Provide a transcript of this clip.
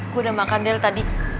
gue udah makan del tadi